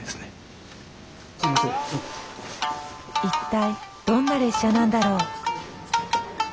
一体どんな列車なんだろう？